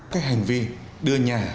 các hành vi đưa nhà